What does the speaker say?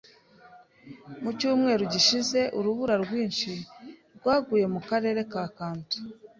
Mu cyumweru gishize, urubura rwinshi rwaguye mu karere ka Kanto.